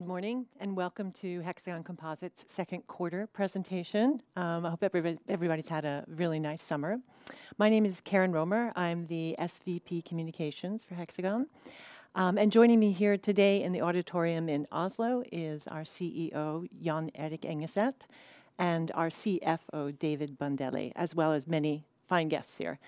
Good morning, and welcome to Hexagon Composites' Second Quarter Presentation. I hope everybody's had a really nice summer. My name is Karen Romer. I'm the SVP Communications for Hexagon. Joining me here today in the auditorium in Oslo is our CEO, Jon Erik Engeset, and our CFO, David Bandele, as well as many fine guests here.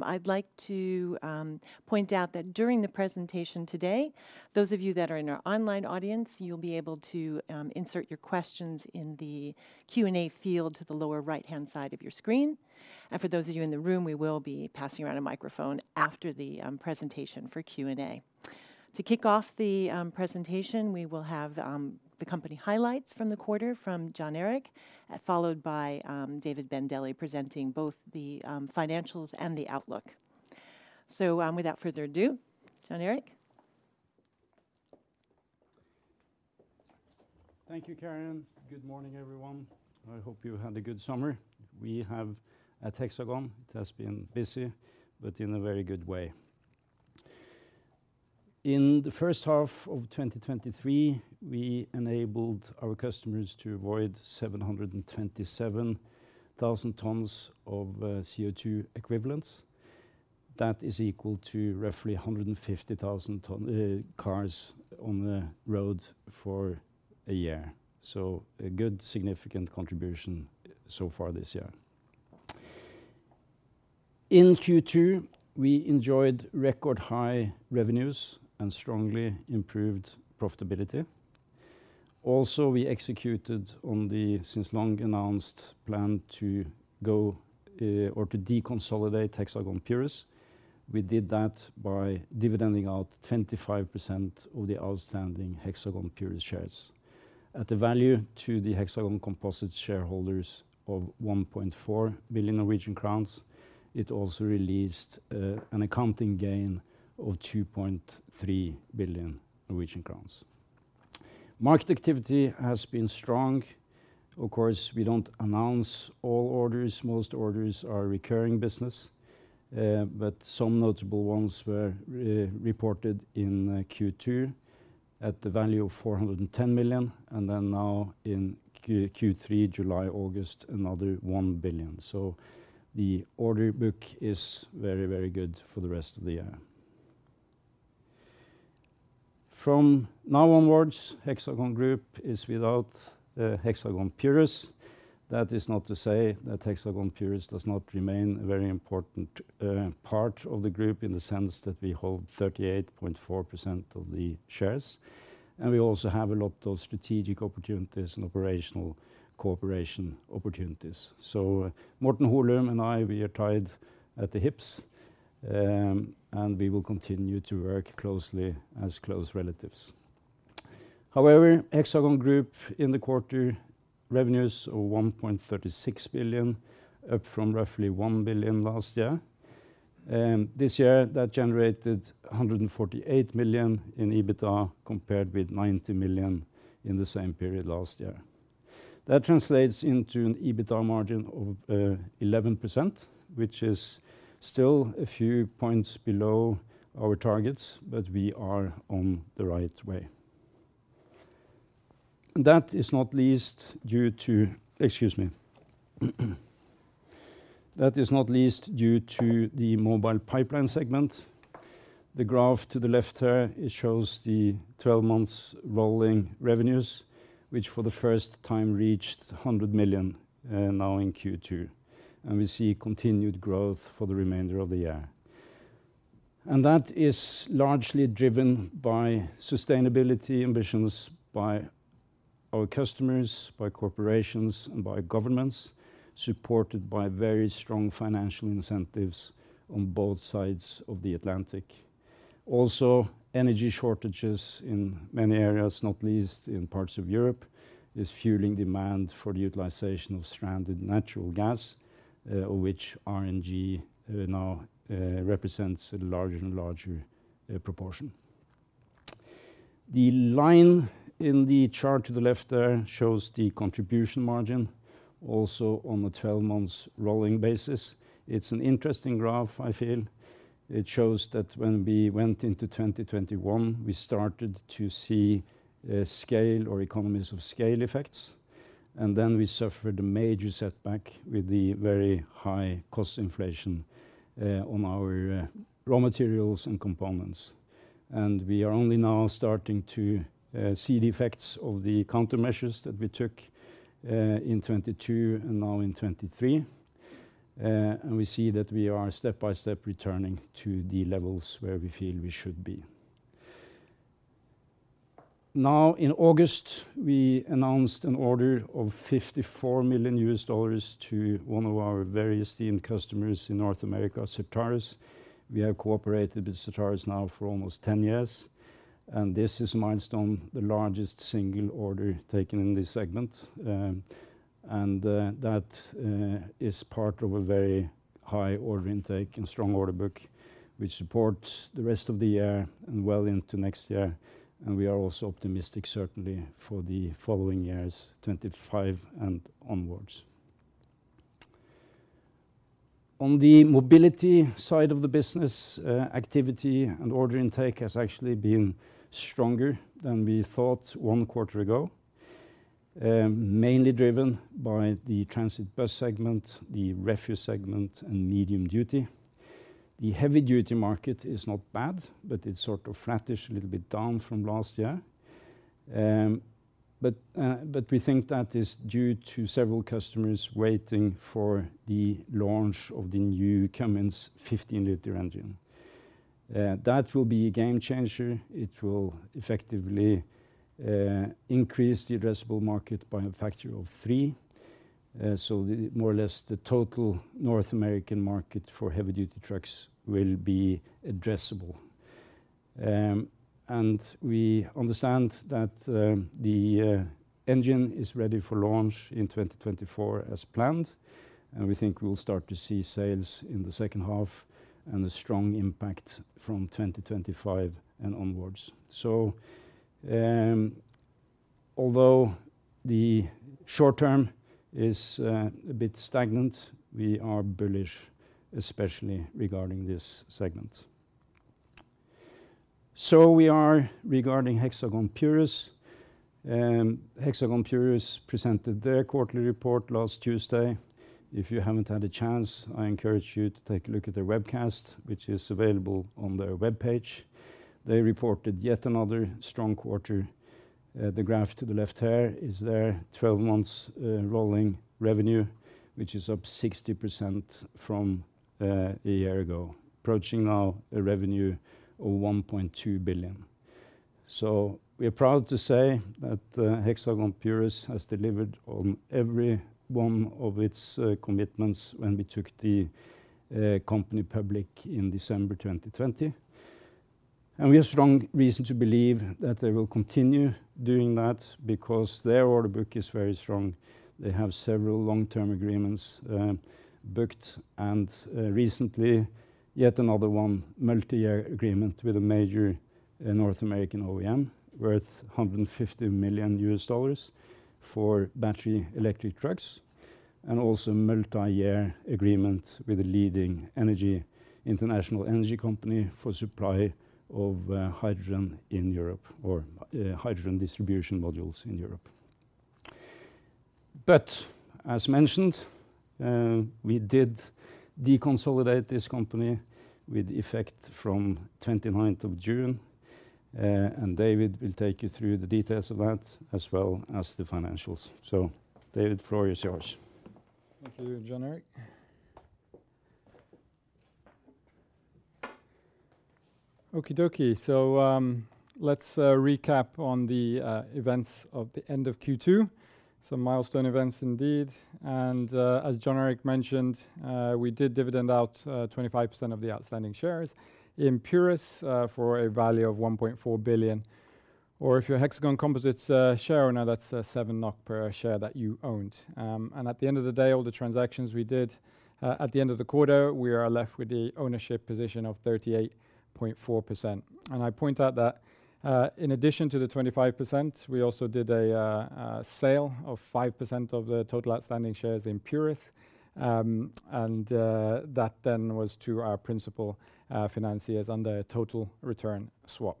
I'd like to point out that during the presentation today, those of you that are in our online audience, you'll be able to insert your questions in the Q&A field to the lower right-hand side of your screen. For those of you in the room, we will be passing around a microphone after the presentation for Q&A. To kick off the presentation, we will have the company highlights from the quarter from Jon Erik, followed by David Bandele, presenting both the financials and the outlook. Without further ado, Jon Erik? Thank you, Karen. Good morning, everyone. I hope you had a good summer. We have at Hexagon, it has been busy, but in a very good way. In the first half of 2023, we enabled our customers to avoid 727,000 tons of CO2 equivalents. That is equal to roughly 150,000 cars on the road for a year. A good significant contribution so far this year. In Q2, we enjoyed record-high revenues and strongly improved profitability. Also, we executed on the since long-announced plan to go or to deconsolidate Hexagon Purus. We did that by dividending out 25% of the outstanding Hexagon Purus shares. At the value to the Hexagon Composites shareholders of 1.4 billion Norwegian crowns, it also released an accounting gain of 2.3 billion Norwegian crowns. Market activity has been strong. Of course, we don't announce all orders. Most orders are recurring business, but some notable ones were reported in Q2 at the value of 410 million, and then now in Q3, July, August, another 1 billion. The order book is very, very good for the rest of the year. From now onwards, Hexagon Group is without Hexagon Purus. That is not to say that Hexagon Purus does not remain a very important part of the group in the sense that we hold 38.4% of the shares, and we also have a lot of strategic opportunities and operational cooperation opportunities. Morten Holum and I, we are tied at the hips, and we will continue to work closely as close relatives. Hexagon Group in the quarter, revenues of 1.36 billion, up from roughly 1 billion last year. This year, that generated 148 million in EBITDA, compared with 90 million in the same period last year. That translates into an EBITDA margin of 11%, which is still a few points below our targets. We are on the right way. That is not least due to... Excuse me. That is not least due to the Mobile Pipeline segment. The graph to the left here, it shows the 12 months rolling revenues, which for the first time reached 100 million now in Q2. We see continued growth for the remainder of the year. That is largely driven by sustainability ambitions by our customers, by corporations, and by governments, supported by very strong financial incentives on both sides of the Atlantic. Also, energy shortages in many areas, not least in parts of Europe, is fueling demand for the utilization of stranded natural gas, of which RNG now represents a larger and larger proportion. The line in the chart to the left there shows the contribution margin, also on a 12-months rolling basis. It's an interesting graph, I feel. It shows that when we went into 2021, we started to see a scale or economies of scale effects, and then we suffered a major setback with the very high cost inflation on our raw materials and components. We are only now starting to see the effects of the countermeasures that we took in 2022 and now in 2023. We see that we are step-by-step returning to the levels where we feel we should be. Now, in August, we announced an order of $54 million to one of our very esteemed customers in North America, Certarus. We have cooperated with Certarus now for almost 10 years, and this is a milestone, the largest single order taken in this segment. That is part of a very high order intake and strong order book, which supports the rest of the year and well into next year. We are also optimistic, certainly for the following years, 2025 and onwards. On the mobility side of the business, activity and order intake has actually been stronger than we thought one quarter ago, mainly driven by the transit bus segment, the refuse segment, and medium duty. The heavy duty market is not bad, but it's sort of flattish, a little bit down from last year. We think that is due to several customers waiting for the launch of the new Cummins 15-liter engine. That will be a game changer. It will effectively increase the addressable market by a factor of three. More or less, the total North American market for heavy duty trucks will be addressable. We understand that the engine is ready for launch in 2024 as planned, and we think we will start to see sales in the second half and a strong impact from 2025 and onwards. Although the short term is a bit stagnant, we are bullish, especially regarding this segment. We are regarding Hexagon Purus. Hexagon Purus presented their quarterly report last Tuesday. If you haven't had a chance, I encourage you to take a look at their webcast, which is available on their webpage. They reported yet another strong quarter. The graph to the left here is their 12 months rolling revenue, which is up 60% from a year ago, approaching now a revenue of 1.2 billion. We are proud to say that Hexagon Purus has delivered on every one of its commitments when we took the company public in December 2020. We have strong reason to believe that they will continue doing that because their order book is very strong. They have several long-term agreements, booked, and recently, yet another one multi-year agreement with a major North American OEM worth $150 million for battery electric trucks, and also multi-year agreement with a leading international energy company for supply of hydrogen in Europe or hydrogen distribution modules in Europe. As mentioned, we did deconsolidate this company with effect from 29th of June, and David will take you through the details of that as well as the financials. David, the floor is yours. Thank you, Jon Erik. Okey-dokey. Let's recap on the events of the end of Q2. Some milestone events indeed, as Jon Erik mentioned, we did dividend out 25% of the outstanding shares in Purus for a value of 1.4 billion, or if you're a Hexagon Composites shareholder, now that's 7 NOK per share that you owned. At the end of the day, all the transactions we did at the end of the quarter, we are left with the ownership position of 38.4%. I point out that in addition to the 25%, we also did a sale of 5% of the total outstanding shares in Purus, that then was to our principal financiers under a total return swap.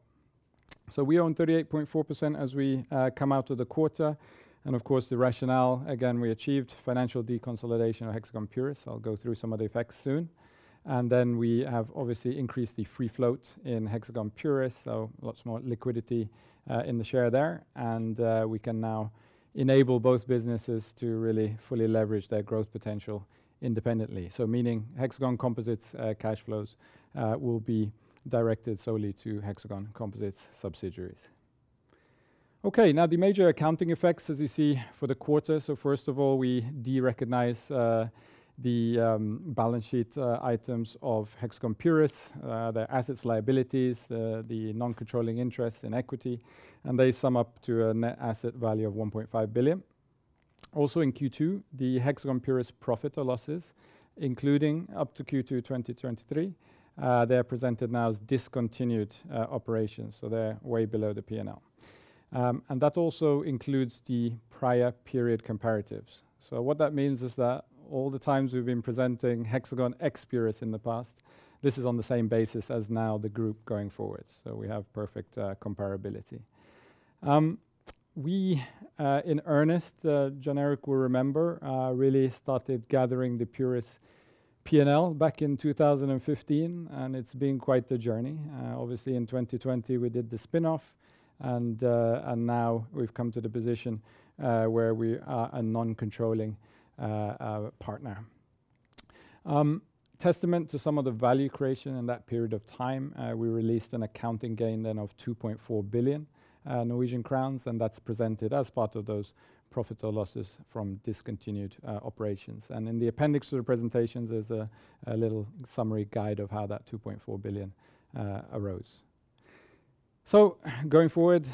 We own 38.4% as we come out of the quarter, and of course, the rationale, again, we achieved financial deconsolidation of Hexagon Purus. I'll go through some of the effects soon. We have obviously increased the free float in Hexagon Purus, so lots more liquidity in the share there. We can now enable both businesses to really fully leverage their growth potential independently. Meaning Hexagon Composites cash flows will be directed solely to Hexagon Composites subsidiaries. Okay, now, the major accounting effects, as you see, for the quarter. First of all, we derecognize the balance sheet items of Hexagon Purus, their assets, liabilities, the non-controlling interests in equity, and they sum up to a net asset value of 1.5 billion. In Q2, the Hexagon Purus profit or losses, including up to Q2 2023, they are presented now as discontinued operations, so they're way below the P&L. That also includes the prior period comparatives. What that means is that all the times we've been presenting Hexagon Purus in the past, this is on the same basis as now the group going forward, so we have perfect comparability. We, in earnest, Jon Erik will remember, really started gathering the Purus P&L back in 2015, and it's been quite the journey. Obviously, in 2020, we did the spin-off, and now we've come to the position where we are a non-controlling partner. Testament to some of the value creation in that period of time, we released an accounting gain then of 2.4 billion Norwegian crowns. That's presented as part of those profit or losses from discontinued operations. In the appendix to the presentations, there's a little summary guide of how that 2.4 billion arose. Going forward,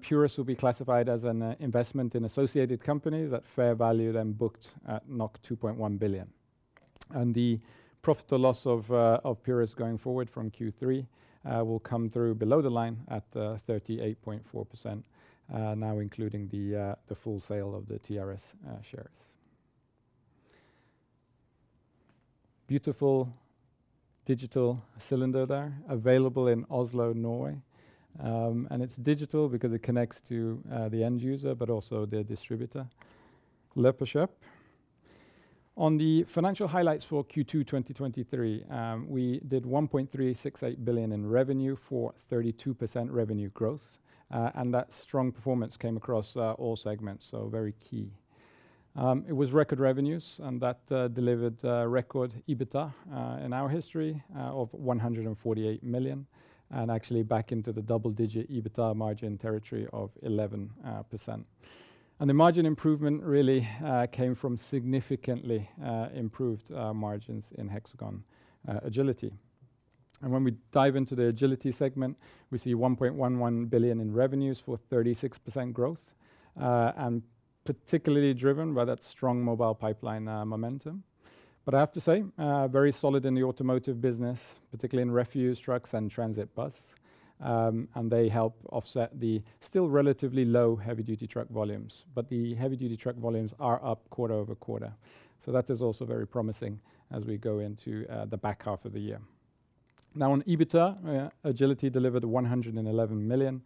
Purus will be classified as an investment in associated companies at fair value, then booked at 2.1 billion. The profit or loss of Purus going forward from Q3 will come through below the line at 38.4%, now including the full sale of the TRS shares. Beautiful digital cylinder there, available in Oslo, Norway. It's digital because it connects to the end user, but also their distributor, LPG Shop. On the financial highlights for Q2 2023, we did 1.368 billion in revenue for 32% revenue growth. That strong performance came across all segments, so very key. It was record revenues, and that delivered record EBITDA in our history, of 148 million, and actually back into the double-digit EBITDA margin territory of 11%. The margin improvement really came from significantly improved margins in Hexagon Agility. When we dive into the Agility segment, we see 1.11 billion in revenues for 36% growth, and particularly driven by that strong Mobile Pipeline momentum. I have to say, very solid in the automotive business, particularly in refuse trucks and transit bus. They help offset the still relatively low heavy-duty truck volumes. The heavy-duty truck volumes are up quarter-over-quarter, so that is also very promising as we go into the back half of the year. Now, on EBITDA, Agility delivered 111 million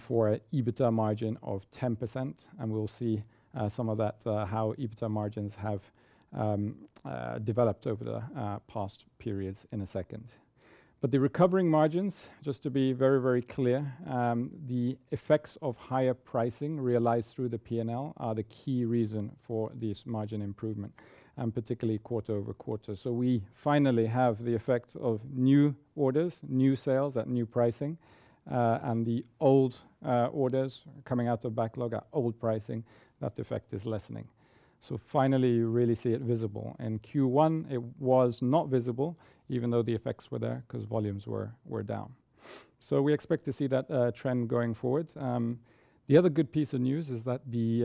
for an EBITDA margin of 10%, and we'll see some of that how EBITDA margins have developed over the past periods in a second. The recovering margins, just to be very, very clear, the effects of higher pricing realized through the P&L are the key reason for this margin improvement, and particularly quarter-over-quarter. We finally have the effect of new orders, new sales at new pricing, and the old orders coming out of backlog at old pricing. That effect is lessening. Finally, you really see it visible. In Q1, it was not visible, even though the effects were there, 'cause volumes were, were down. We expect to see that trend going forward. The other good piece of news is that the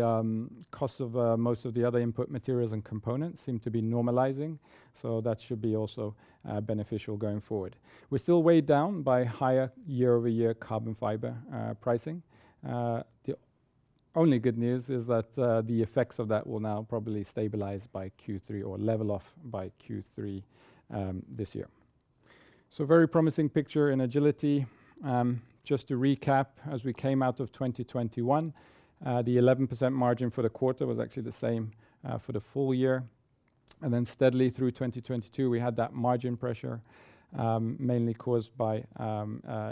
cost of most of the other input materials and components seem to be normalizing, so that should be also beneficial going forward. We're still weighed down by higher year-over-year carbon fiber pricing. The only good news is that the effects of that will now probably stabilize by Q3 or level off by Q3 this year. Very promising picture in Agility. Just to recap, as we came out of 2021, the 11% margin for the quarter was actually the same for the full year. Then steadily through 2022, we had that margin pressure, mainly caused by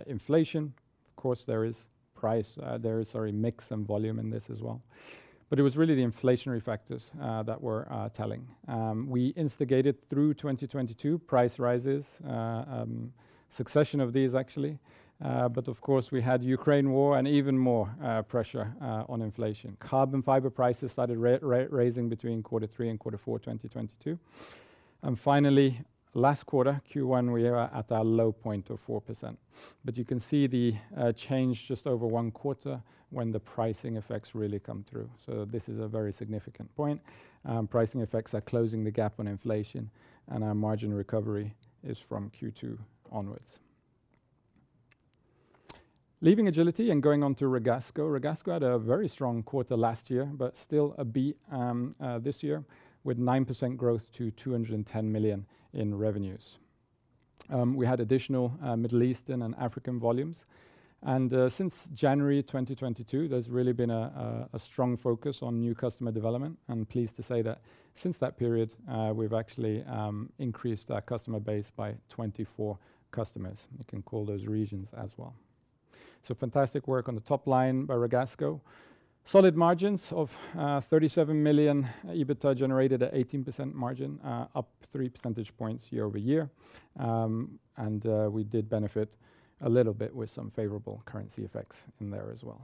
inflation. Of course, there is price, there is sorry, mix and volume in this as well. It was really the inflationary factors that were telling. We instigated through 2022 price rises, succession of these actually. But of course, we had Ukraine war and even more pressure on inflation. carbon fiber prices started raising between Q3 and Q4, 2022. Finally, last quarter, Q1, we are at a low point of 4%. You can see the change just over one quarter when the pricing effects really come through. This is a very significant point. Pricing effects are closing the gap on inflation, and our margin recovery is from Q2 onwards. Leaving Agility and going on to Ragasco. Ragasco had a very strong quarter last year, but still up this year, with 9% growth to 210 million in revenues. We had additional Middle Eastern and African volumes, and since January 2022, there's really been a strong focus on new customer development. I'm pleased to say that since that period, we've actually increased our customer base by 24 customers. You can call those regions as well. Fantastic work on the top line by Ragasco. Solid margins of 37 million. EBITDA generated at 18% margin, up 3 percentage points year-over-year. We did benefit a little bit with some favorable currency effects in there as well.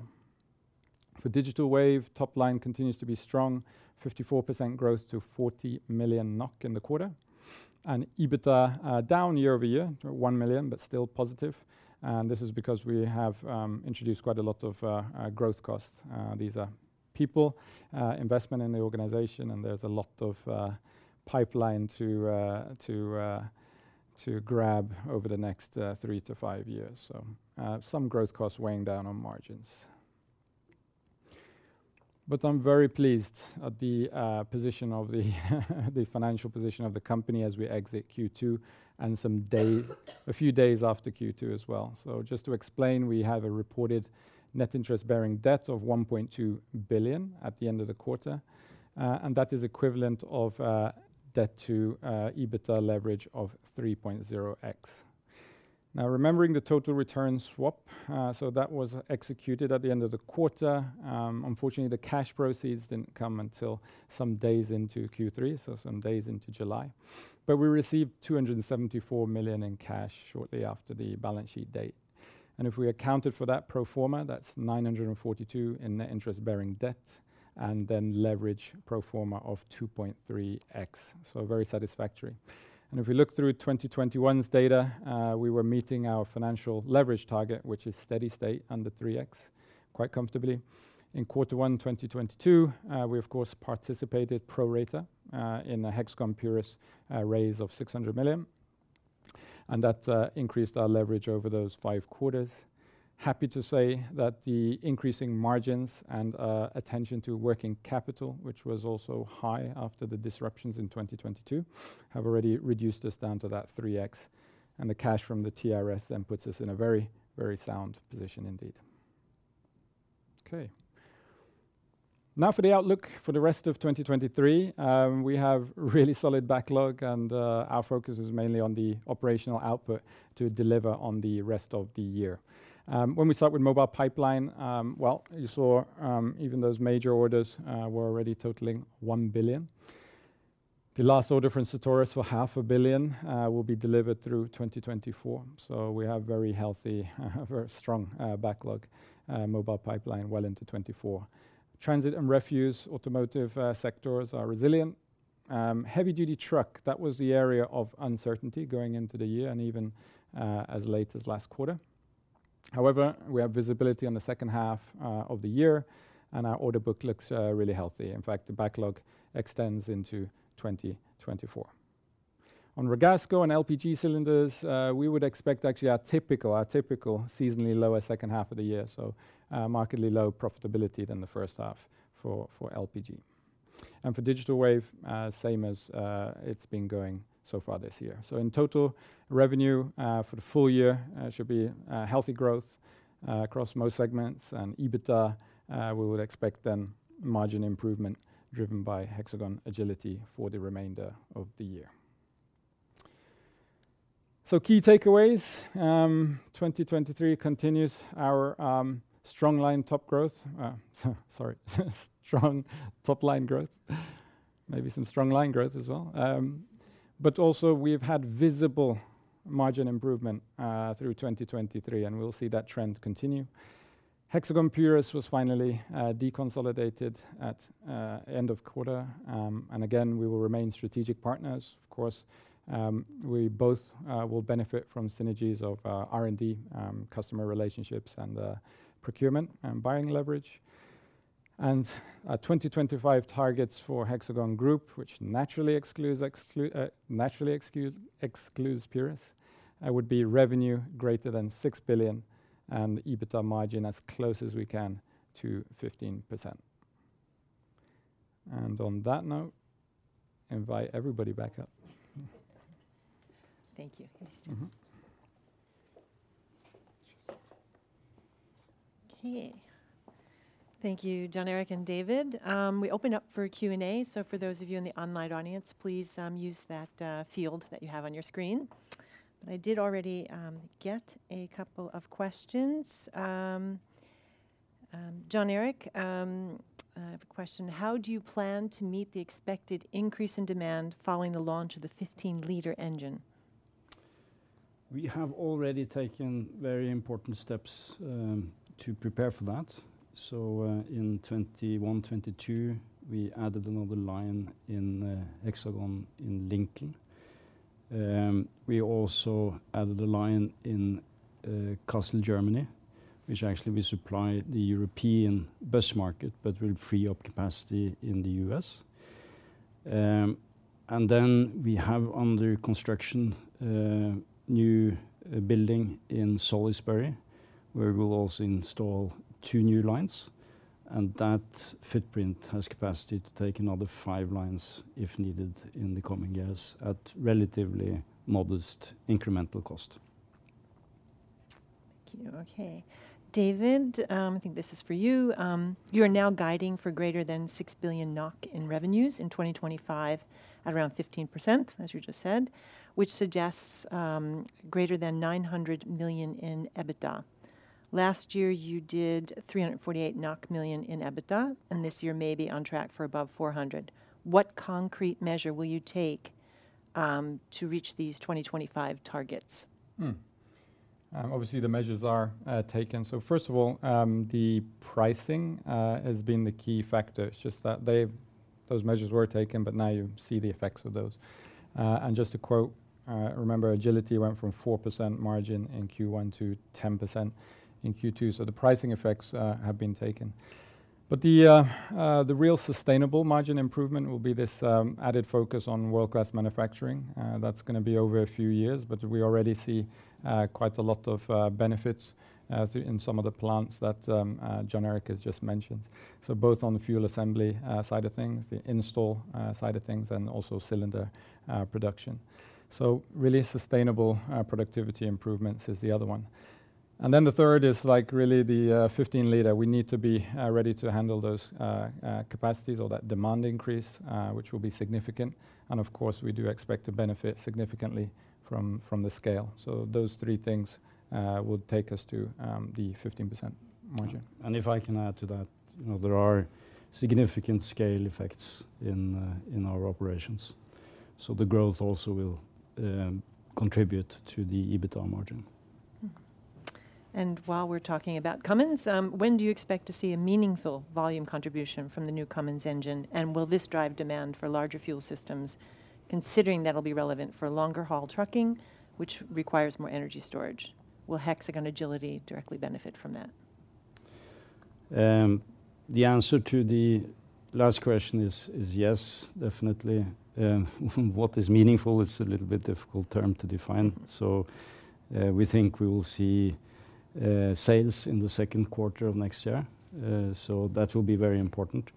For Hexagon Digital Wave, top line continues to be strong, 54% growth to 40 million NOK in the quarter. EBITDA down year-over-year, 1 million, but still positive. This is because we have introduced quite a lot of growth costs. These are people, investment in the organization, and there's a lot of pipeline to to to grab over the next three to five years. Some growth costs weighing down on margins. I'm very pleased at the position of the financial position of the company as we exit Q2 and a few days after Q2 as well. Just to explain, we have a reported net interest-bearing debt of 1.2 billion at the end of the quarter, and that is equivalent of debt to EBITDA leverage of 3.0x. Remembering the total return swap, that was executed at the end of the quarter. Unfortunately, the cash proceeds didn't come until some days into Q3, so some days into July. We received 274 million in cash shortly after the balance sheet date. If we accounted for that pro forma, that's 942 million in net interest-bearing debt, and then leverage pro forma of 2.3x. Very satisfactory. If we look through 2021's data, we were meeting our financial leverage target, which is steady state under 3x, quite comfortably. In quarter one, 2022, we of course participated pro rata in the Hexagon Purus raise of 600 million. That increased our leverage over those five quarters. Happy to say that the increasing margins and attention to working capital, which was also high after the disruptions in 2022, have already reduced us down to that 3x, and the cash from the TRS then puts us in a very, very sound position indeed. Okay. Now, for the outlook for the rest of 2023, we have really solid backlog, and our focus is mainly on the operational output to deliver on the rest of the year. When we start with Mobile Pipeline, well, you saw, even those major orders were already totaling 1 billion. The last order from Certarus for 500 million will be delivered through 2024. We have very healthy, very strong backlog, Mobile Pipeline well into 2024. Transit and refuse automotive sectors are resilient. Heavy-duty truck, that was the area of uncertainty going into the year and even as late as last quarter. However, we have visibility on the second half of the year, and our order book looks really healthy. In fact, the backlog extends into 2024. On Ragasco and LPG cylinders, we would expect actually our typical, our typical seasonally lower second half of the year, markedly low profitability than the first half for LPG. For Digital Wave, same as it's been going so far this year. In total, revenue for the full year should be a healthy growth across most segments, and EBITDA we would expect then margin improvement driven by Hexagon Agility for the remainder of the year. Key takeaways, 2023 continues our strong line top growth. strong top line growth. Maybe some strong line growth as well. also we've had visible margin improvement through 2023, and we'll see that trend continue. Hexagon Purus was finally deconsolidated at end of quarter, and again, we will remain strategic partners. Of course, we both will benefit from synergies of R&D, customer relationships and procurement and buying leverage. Our 2025 targets for Hexagon Group, which naturally excludes Hexagon Purus, would be revenue greater than 6 billion and EBITDA margin as close as we can to 15%. On that note, invite everybody back up. Thank you, Jon Erik. Mm-hmm. Okay. Thank you, Jon Erik and David. We open up for Q&A. For those of you in the online audience, please use that field that you have on your screen. I did already get a couple of questions. Jon Erik, I have a question: How do you plan to meet the expected increase in demand following the launch of the 15-liter engine? We have already taken very important steps, to prepare for that. In 2021, 2022, we added another line in Hexagon in Lincoln. We also added a line in Kassel, Germany, which actually we supply the European bus market, but will free up capacity in the U.S. We have under construction, a new building in Salisbury, where we'll also install two new lines, and that footprint has capacity to take another five lines if needed in the coming years at relatively modest incremental cost. Thank you. Okay. David, I think this is for you. You're now guiding for greater than 6 billion NOK in revenues in 2025 at around 15%, as you just said, which suggests greater than 900 million in EBITDA. Last year, you did 348 million NOK in EBITDA, and this year may be on track for above 400 million. What concrete measure will you take to reach these 2025 targets? Obviously, the measures are taken. First of all, the pricing has been the key factor. It's just that they've... Those measures were taken, but now you see the effects of those. Just to quote, remember, Agility went from 4% margin in Q1 to 10% in Q2, the pricing effects have been taken. The real sustainable margin improvement will be this added focus on World Class Manufacturing. That's gonna be over a few years, we already see quite a lot of benefits through in some of the plants that Jon Erik has just mentioned. Both on the fuel assembly side of things, the install side of things, and also cylinder production. Really sustainable productivity improvements is the other one. The third is, like, really the 15 liter. We need to be ready to handle those capacities or that demand increase, which will be significant, and of course, we do expect to benefit significantly from, from the scale. Those three things will take us to the 15% margin. If I can add to that, you know, there are significant scale effects in our operations, so the growth also will contribute to the EBITDA margin. While we're talking about Cummins, when do you expect to see a meaningful volume contribution from the new Cummins engine, and will this drive demand for larger fuel systems, considering that'll be relevant for longer-haul trucking, which requires more energy storage? Will Hexagon Agility directly benefit from that?... The answer to the last question is, is yes, definitely. What is meaningful is a little bit difficult term to define. We think we will see sales in the second quarter of next year, so that will be very important.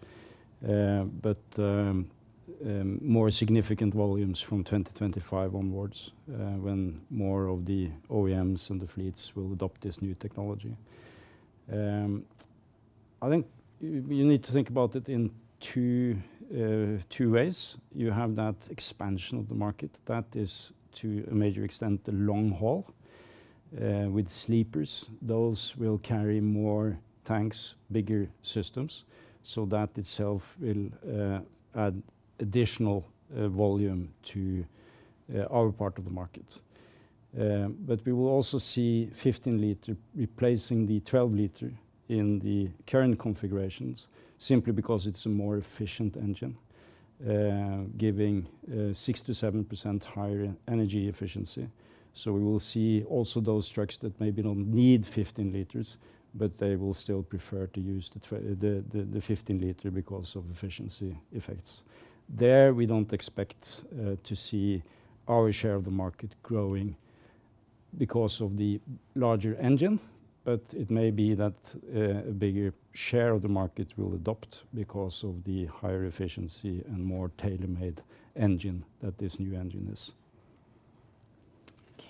More significant volumes from 2025 onwards, when more of the OEMs and the fleets will adopt this new technology. I think you need to think about it in two, two ways. You have that expansion of the market. That is, to a major extent, the long haul, with sleepers. Those will carry more tanks, bigger systems, so that itself will add additional volume to our part of the market. We will also see 15-liter replacing the 12-liter in the current configurations, simply because it's a more efficient engine, giving 6%-7% higher energy efficiency. We will see also those trucks that maybe don't need 15-liters, but they will still prefer to use the 15-liter because of efficiency effects. There, we don't expect to see our share of the market growing because of the larger engine, but it may be that a bigger share of the market will adopt because of the higher efficiency and more tailor-made engine that this new engine is.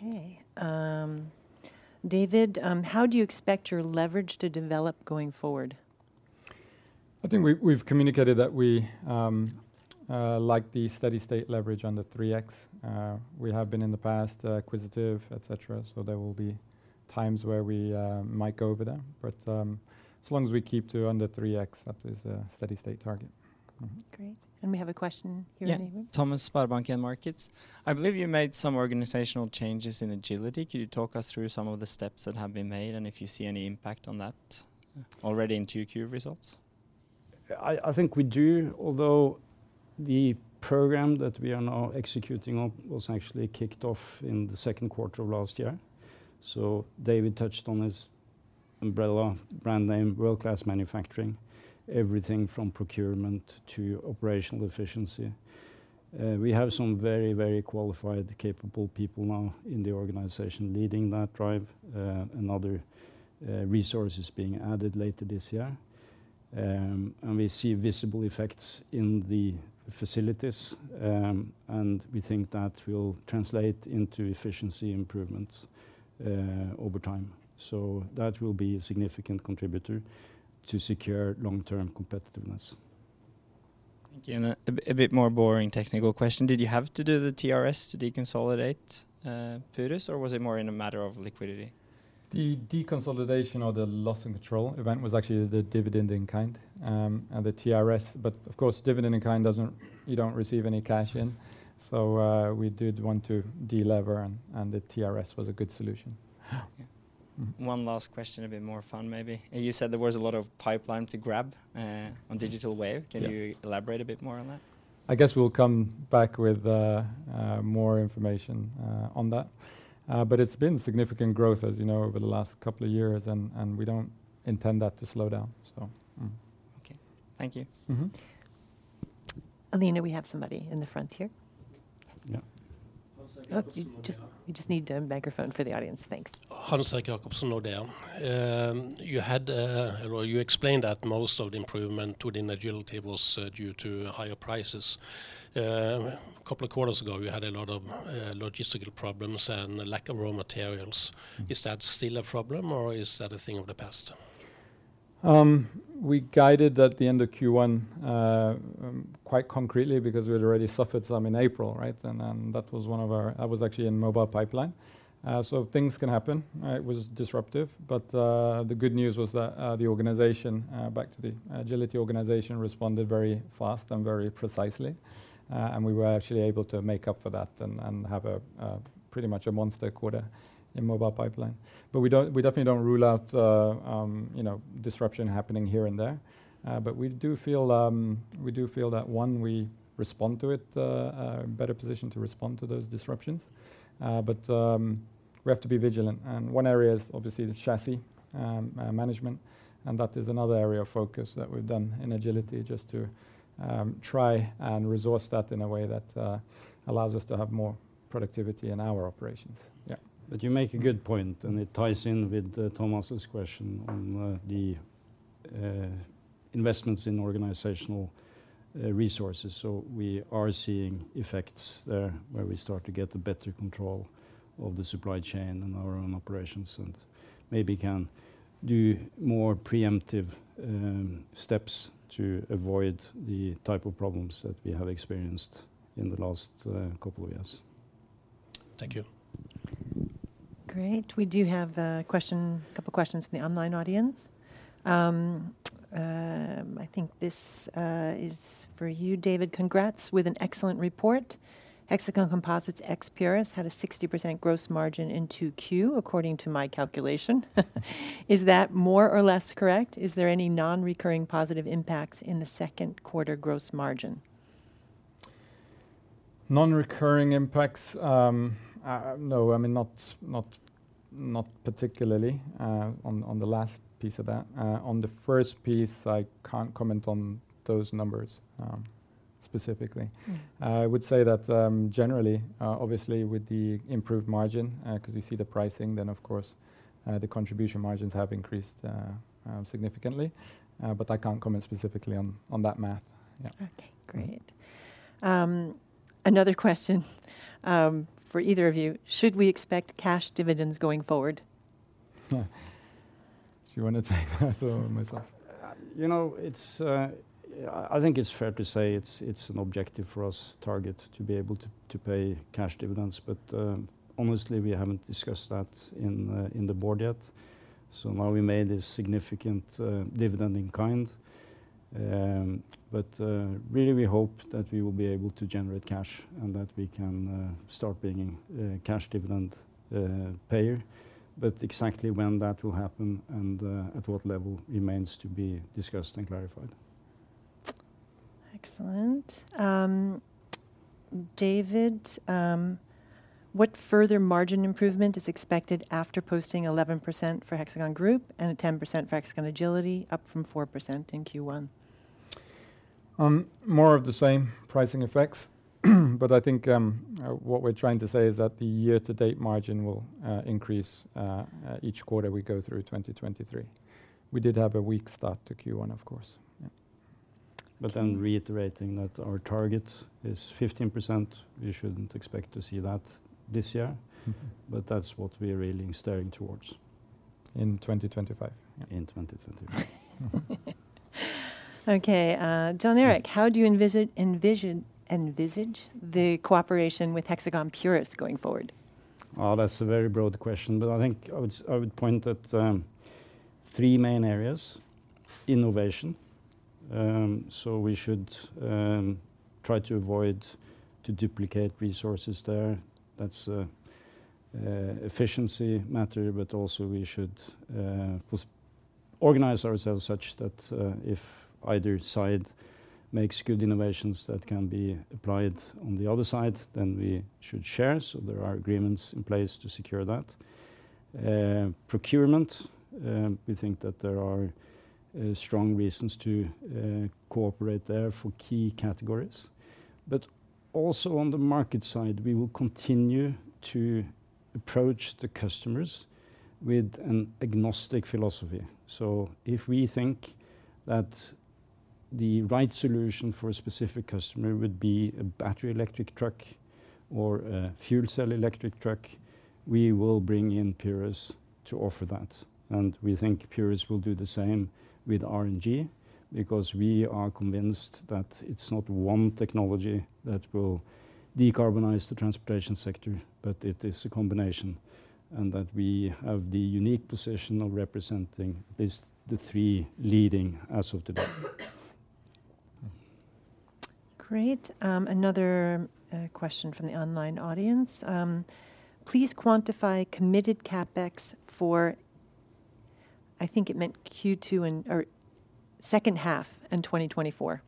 Okay. David, how do you expect your leverage to develop going forward? I think we, we've communicated that we, like the steady state leverage under 3x. We have been, in the past, acquisitive, et cetera, so there will be times where we, might go over there. As long as we keep to under 3x, that is a steady state target. Mm-hmm. Great. We have a question here in the room. Yeah. Thomas, SpareBank 1 Markets. I believe you made some organizational changes in Agility. Can you talk us through some of the steps that have been made, and if you see any impact on that already in two Q results? I, I think we do, although the program that we are now executing on was actually kicked off in the second quarter of last year. David touched on this umbrella brand name, World Class Manufacturing, everything from procurement to operational efficiency. We have some very, very qualified, capable people now in the organization leading that drive, and other resources being added later this year. We see visible effects in the facilities, and we think that will translate into efficiency improvements over time. That will be a significant contributor to secure long-term competitiveness. Thank you. A, a bit more boring technical question: Did you have to do the TRS to deconsolidate, Purus, or was it more in a matter of liquidity? The deconsolidation or the loss in control event was actually the dividend in kind, and the TRS. Of course, dividend in kind doesn't-- you don't receive any cash in, so, we did want to delever, and, and the TRS was a good solution. Yeah. Mm-hmm. One last question, a bit more fun maybe. You said there was a lot of pipeline to grab, on Digital Wave. Yeah. Can you elaborate a bit more on that? I guess we'll come back with more information on that. It's been significant growth, as you know, over the last two years, and, and we don't intend that to slow down, so mm. Okay. Thank you. Mm-hmm. Alina, we have somebody in the front here. Yeah. Oh, you just, you just need a microphone for the audience. Thanks. Hans-Erik Jacobsen, Nordea. You had, well, you explained that most of the improvement within Agility was due to higher prices. Couple of quarters ago, you had a lot of logistical problems and a lack of raw materials. Mm. Is that still a problem, or is that a thing of the past? We guided at the end of Q1, quite concretely because we had already suffered some in April, right? That was one of our... I was actually in Mobile Pipeline. Things can happen, it was disruptive, the good news was that the organization, back to the Agility organization, responded very fast and very precisely. We were actually able to make up for that and, and have a, a pretty much a monster quarter in Mobile Pipeline. We don't, we definitely don't rule out, you know, disruption happening here and there. We do feel, we do feel that, one, we respond to it, better positioned to respond to those disruptions. We have to be vigilant, and one area is obviously the chassis management, and that is another area of focus that we've done in Agility just to try and resource that in a way that allows us to have more productivity in our operations. Yeah. You make a good point, and it ties in with Thomas's question on the investments in organizational resources. We are seeing effects there, where we start to get a better control of the supply chain and our own operations, and maybe can do more preemptive steps to avoid the type of problems that we have experienced in the last couple of years. Thank you. Great. We do have a question, a couple questions from the online audience. I think this is for you, David: Congrats with an excellent report. Hexagon Composites Purus had a 60% gross margin in 2Q, according to my calculation. Is that more or less correct? Is there any non-recurring positive impacts in the second quarter gross margin? Non-recurring impacts, no, I mean, not, not, not particularly, on, on the last piece of that. On the first piece, I can't comment on those numbers, specifically. Mm. I would say that, generally, obviously, with the improved margin, 'cause you see the pricing, then, of course, the contribution margins have increased significantly, but I can't comment specifically on, on that math. Yeah. Okay, great. Another question, for either of you: Should we expect cash dividends going forward? Do you wanna take that or myself? You know, it's, I think it's fair to say it's, it's an objective for us, target to be able to, to pay cash dividends. Honestly, we haven't discussed that in the board yet, so now we made a significant dividend in kind. Really, we hope that we will be able to generate cash and that we can start being a, a cash dividend payer. Exactly when that will happen and at what level remains to be discussed and clarified. Excellent. David, what further margin improvement is expected after posting 11% for Hexagon Group and a 10% for Hexagon Agility, up from 4% in Q1? More of the same pricing effects, but I think, what we're trying to say is that the year-to-date margin will increase each quarter we go through 2023. We did have a weak start to Q1, of course. Yeah. Reiterating that our target is 15%. You shouldn't expect to see that this year. Mm-hmm... but that's what we're really steering towards. In 2025. In 2025. Okay, Jon Erik, how do you envisage, envision, envisage the cooperation with Hexagon Purus going forward? Well, that's a very broad question, but I think I would I would point at three main areas: innovation. We should try to avoid to duplicate resources there. That's efficiency matter, but also we should organize ourselves such that if either side makes good innovations that can be applied on the other side, then we should share. There are agreements in place to secure that. Procurement, we think that there are strong reasons to cooperate there for key categories. Also on the market side, we will continue to approach the customers with an agnostic philosophy. If we think that the right solution for a specific customer would be a battery electric truck or a fuel cell electric truck, we will bring in Purus to offer that, and we think Purus will do the same with RNG because we are convinced that it's not one technology that will decarbonize the transportation sector, but it is a combination, and that we have the unique position of representing these, the three leading as of today. Great. Another question from the online audience. Please quantify committed CapEx for, I think it meant Q2 and... or second half in 2024?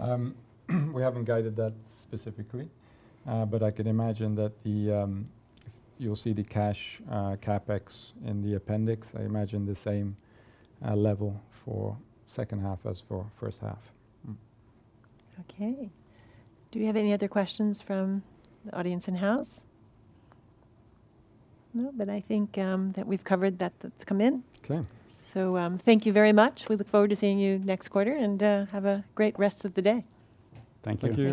Mm-hmm. We haven't guided that specifically, but I can imagine that the, you'll see the cash, CapEx in the appendix. I imagine the same level for second half as for first half. Mm. Okay. Do we have any other questions from the audience in house? No, but I think that we've covered that, that's come in. Okay. Thank you very much. We look forward to seeing you next quarter, and have a great rest of the day. Thank you. Thank you.